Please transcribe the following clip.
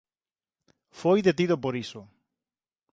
Foi detido por iso.